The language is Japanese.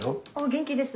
元気です